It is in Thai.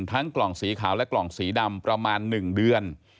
กล่องสีขาวและกล่องสีดำประมาณ๑เดือน